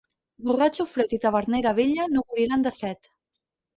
Borratxo fred i tavernera vella no moriran de set.